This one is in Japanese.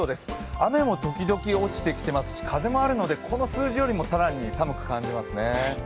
雨も時々、落ちてきていますし、風もあるのでこの数字よりも更に寒く感じますね。